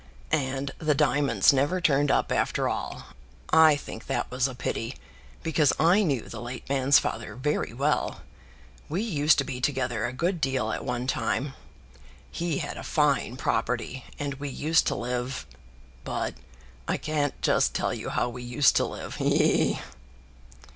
"And the diamonds never turned up after all. I think that was a pity, because I knew the late man's father very well. We used to be together a good deal at one time. He had a fine property, and we used to live but I can't just tell you how we used to live. He, he, he!"